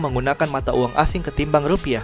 menggunakan mata uang asing ketimbang rupiah